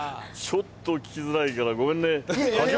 ちょっと聞きづらいから、ごめんね。